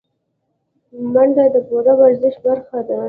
منډه د پوره ورزش برخه ده